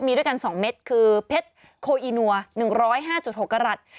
มีด้วยกัน๒เม็ดคือเพชรโคอีนัว๑๐๕๖กรัฐ